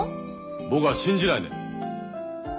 僕は信じないね。